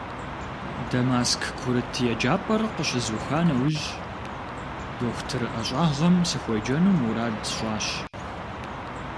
Дамаск курыт еджапӀэр къыщызуха нэужь, дохутыр ӀэщӀагъэм сыхуеджэну мурад сщӀащ.